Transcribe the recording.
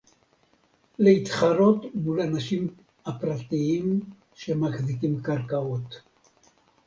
להתחרות מול האנשים הפרטיים שמחזיקים קרקעות